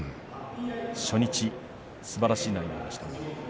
初日、すばらしい内容でした。